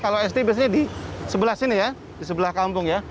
kalau sdb di sebelah sini di sebelah kampung